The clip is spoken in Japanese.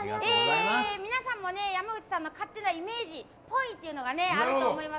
皆さんも山内さんの勝手なイメージっぽいというのがあると思います。